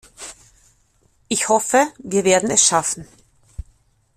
Ich hoffe, wir werden es schaffen.